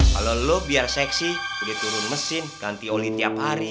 kalo lu biar seksi boleh turun mesin ganti oli tiap hari